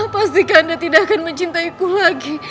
pasti kanda tidak akan mencintaiku lagi